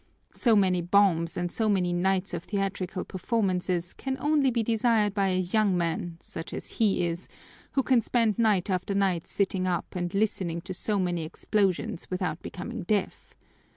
So many bombs and so many nights of theatrical performances can only be desired by a young man, such as he is, who can spend night after night sitting up and listening to so many explosions without becoming deaf.